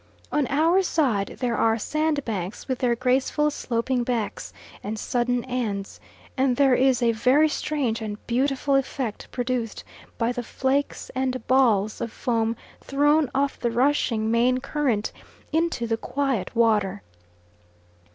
On our side there are sandbanks with their graceful sloping backs and sudden ends, and there is a very strange and beautiful effect produced by the flakes and balls of foam thrown off the rushing main current into the quiet water.